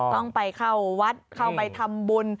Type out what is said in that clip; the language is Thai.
ต้องไปเข้าวัดเข้าไปทำบุญ